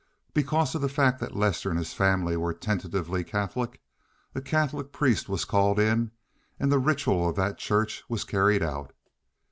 Because of the fact that Lester and his family were tentatively Catholic, a Catholic priest was called in and the ritual of that Church was carried out.